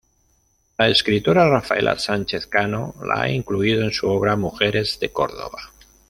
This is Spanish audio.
La escritora Rafaela Sánchez Cano la ha incluido en su obra "Mujeres de Córdoba".